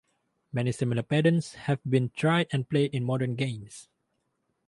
Many similar patterns have been tried and played in modern games.